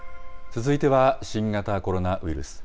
続いては、新型コロナウイルス。